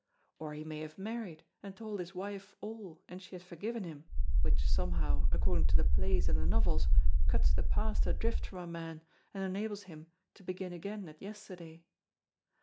Or he may have married, and told his wife all and she had forgiven him, which somehow, according to the plays and the novels, cuts the past adrift from a man and enables him to begin again at yesterday.